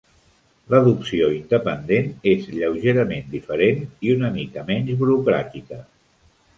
L'adopció independent és lleugerament diferent i una mica menys burocràtica.